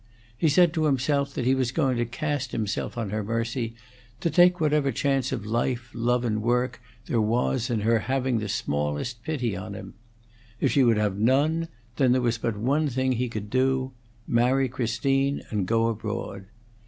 He said to himself that he was going to cast himself on her mercy, to take whatever chance of life, love, and work there was in her having the smallest pity on him. If she would have none, then there was but one thing he could do: marry Christine and go abroad.